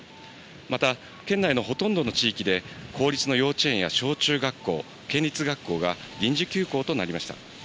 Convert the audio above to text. また、県内のほとんどの地域で、公立の幼稚園や小中学校、県立学校が臨時休校となりました。